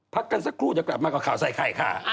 พักกันสักครู่จะกลับมาก่อนข่าวใส่ไข่ค่ะ